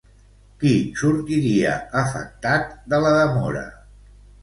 Qui sortiria afectat de la demora?